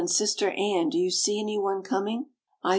Sister Anne! do you see any one coining:"' "Alas!"